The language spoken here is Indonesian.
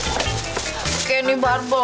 oke ini barbel